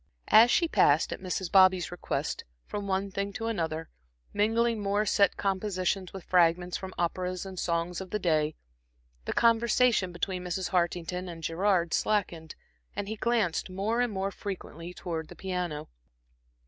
As she passed at Mrs. Bobby's request from one thing to another, mingling more set compositions with fragments from operas and songs of the day, the conversation between Mrs. Hartington and Gerard slackened, and he glanced more and more frequently towards the piano.